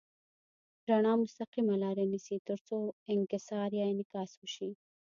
رڼا مستقیمه لاره نیسي تر څو انکسار یا انعکاس وشي.